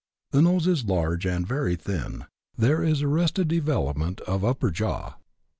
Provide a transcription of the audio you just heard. The nose is large and very thin. There is arrested development of upper jaw.